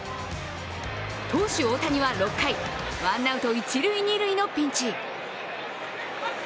投手・大谷は６回ワンアウト一・二塁のピンチ。